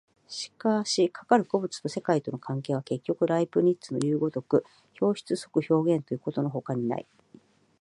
しかしかかる個物と世界との関係は、結局ライプニッツのいう如く表出即表現ということのほかにない。